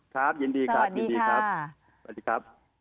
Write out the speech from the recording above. สวัสดีครับ